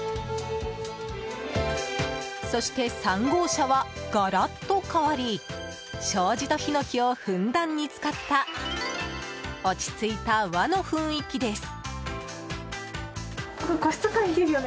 そして３号車はガラッと変わり障子とヒノキをふんだんに使った落ち着いた和の雰囲気です。